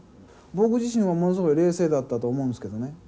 僕自身はものすごい冷静だったと思うんですけどね。